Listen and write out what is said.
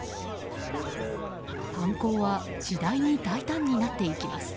犯行は次第に大胆になってきます。